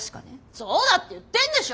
そうだって言ってんでしょ！